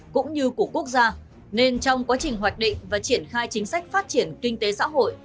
cũng như của quốc gia nên trong quá trình hoạch định và triển khai chính sách phát triển kinh tế xã hội